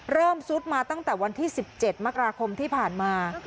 ซุดมาตั้งแต่วันที่๑๗มกราคมที่ผ่านมา